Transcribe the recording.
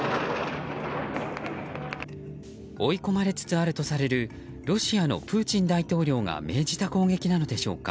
追い込まれつつあるとされるロシアのプーチン大統領が命じた攻撃なのでしょうか。